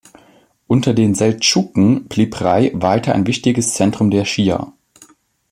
Unter den Seldschuken blieb Rey weiter ein wichtiges Zentrum der Schia.